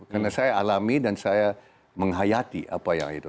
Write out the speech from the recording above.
karena saya alami dan saya menghayati apa yang itu